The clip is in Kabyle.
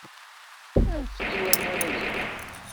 Anfet i waman ad lḥun.